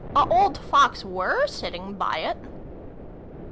" A old Fox were sitting by it."